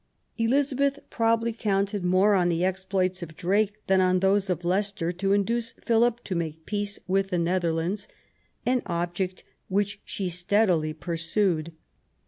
EHzabeth probably counted more on the exploits of Drake than on those of Leicester to induce Philip to make peace with the Netherlands, an object which she steadily pursued.